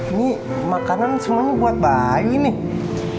ini makanan semuanya buat bayi nih